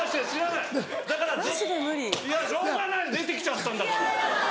いやしょうがない出てきちゃったんだから。